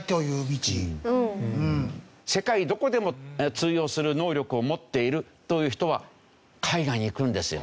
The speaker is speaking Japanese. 世界どこでも通用する能力を持っているという人は海外に行くんですよ。